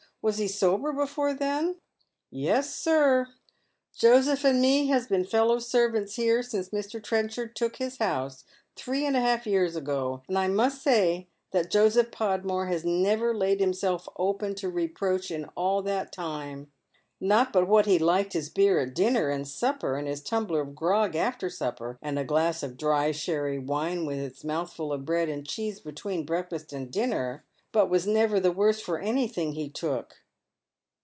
" Was he sober before then ?"" Yes, sir. Joseph and me has been fellow servants here since Mr. Trenchard took this house, three and a half years ago, and I must say that Joseph Podmore has never laid himself open to re proach in all that time. Not but what he liked his beer at dinner and supper, and his tumbler of grog after supper, and a glass of diy sherry wine with his moutMul of bread and cheese between break fast and dinner, but was never the worse for anything he took."